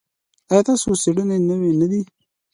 ایا ستاسو څیړنې نوې نه دي؟